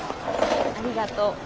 ありがとう。